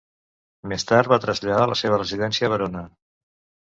Més tard va traslladar la seva residència a Verona.